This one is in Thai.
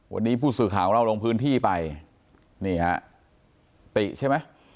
วันนี้ผู้สื่อข่าวของเราลงพื้นที่ไปนี่ฮะติใช่ไหม